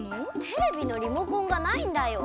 テレビのリモコンがないんだよ。